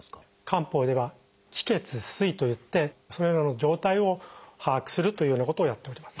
漢方では「気・血・水」といってそれらの状態を把握するというようなことをやっております。